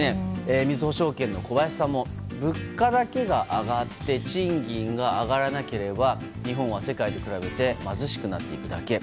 みずほ証券の小林さんも物価だけが上がって賃金が上がらなければ日本は世界と比べて貧しくなっていくだけ。